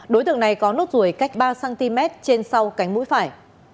đối tượng này có nốt ruồi cách ba cm trên sau cánh mũi phải